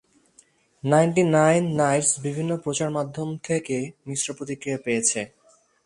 Ninety nine knights বিভিন্ন প্রচার মাধ্যম থেকে মিশ্র প্রতিক্রিয়া পেয়েছে।